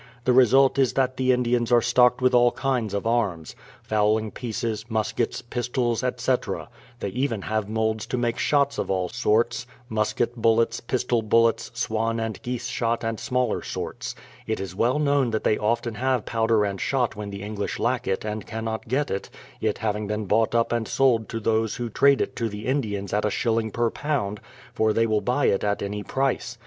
The result is that the Indians are stocked with all kinds of arms, — fowling pieces, muskets, pistols, etc. They even have moulds to make shots of all sorts, — musket bullets, pistol bullets, swan and geese shot and smaller sorts. It is well known that they often have powder and shot when the English lack it and cannot get it, it having been bought up and sold to those who trade it to the Indians at a shilling per pound — for they will buy it at any price.